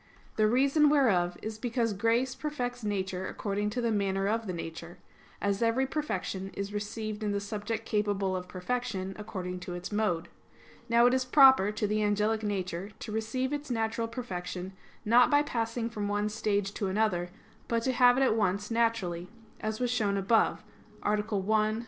The reason whereof is because grace perfects nature according to the manner of the nature; as every perfection is received in the subject capable of perfection, according to its mode. Now it is proper to the angelic nature to receive its natural perfection not by passing from one stage to another; but to have it at once naturally, as was shown above (A. 1; Q.